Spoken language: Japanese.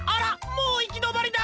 もういきどまりだ！